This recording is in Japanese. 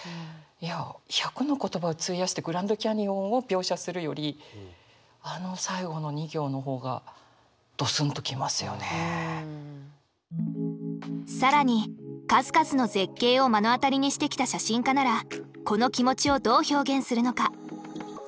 いや１００の言葉を費やしてグランドキャニオンを描写するよりあの最後の２行の方が更に数々の絶景を目の当たりにしてきた写真家ならこの気持ちをどう表現するのか。